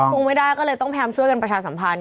คงไม่ได้ก็เลยต้องพยายามช่วยกันประชาสัมพันธ